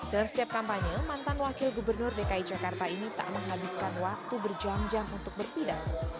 dalam setiap kampanye mantan wakil gubernur dki jakarta ini tak menghabiskan waktu berjam jam untuk berpidato